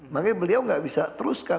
makanya beliau nggak bisa teruskan